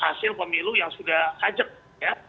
hasil pemilu yang sudah hajat ya